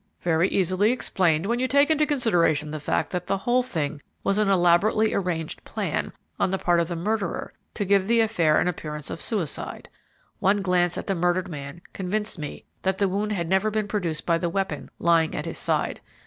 "Very easily explained when you once take into consideration the fact that the whole thing was an elaborately arranged plan, on the part of the murderer, to give the affair an appearance of suicide. One glance at the murdered man convinced me that the wound had never been produced by the weapon lying at his side.